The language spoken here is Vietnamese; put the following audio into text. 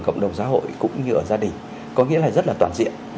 cộng đồng xã hội cũng như ở gia đình có nghĩa là rất là toàn diện